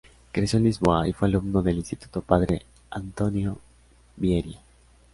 Creció en Lisboa y fue alumno del instituto Padre António Vieira.